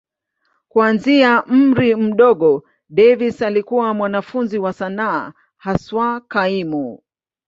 Kuanzia umri mdogo, Davis alikuwa mwanafunzi wa sanaa, haswa kaimu.